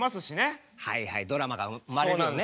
はいはいドラマが生まれるよね。